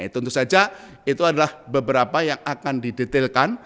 tentu saja itu adalah beberapa yang akan didetailkan